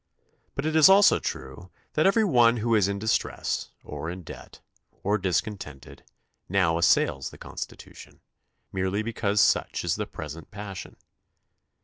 But it is also true that every one who is in distress, or in debt, or discon tented, now assails the Constitution, merely because such is the present passion.